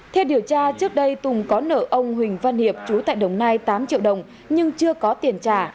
theo điều tra trước đây tùng có nợ ông huỳnh văn hiệp chú tại đồng nai tám triệu đồng nhưng chưa có tiền trả